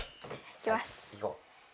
いきます。